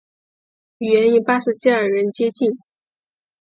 语言与巴什基尔人接近。